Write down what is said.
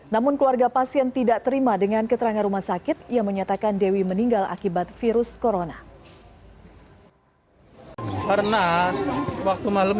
namun keluarga pasien tidak terima dengan keterangan rumah sakit yang menyatakan dewi meninggal akibat virus corona